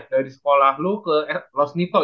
dari sekolah lu ke los nito